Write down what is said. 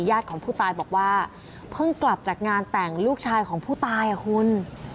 ญาติของผู้ตายบอกว่าเพิ่งกลับจากงานแต่งลูกชายของผู้ตายอ่ะคุณ